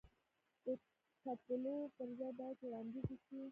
د تپلو پر ځای باید وړاندیز وشي.